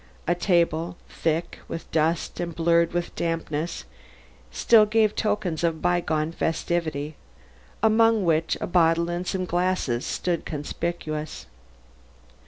A table, thick with dust and blurred with dampness, still gave tokens of a bygone festivity among which a bottle and some glasses stood conspicuous.